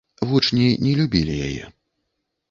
Вучні не любілі яе.